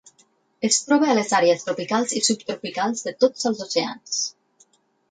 Es troba a les àrees tropicals i subtropicals de tots els oceans.